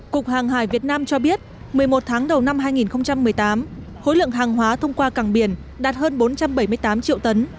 cục hàng hải việt nam cho biết một mươi một tháng đầu năm hai nghìn một mươi tám hối lượng hàng hóa thông qua cảng biển đạt hơn bốn trăm bảy mươi tám triệu tấn